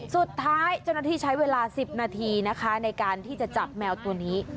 สุดท้ายเจ้าหน้าที่ใช้เวลา๑๐นาทีนะคะในการที่จะจับแมวตัวนี้